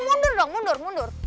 mundur dong mundur mundur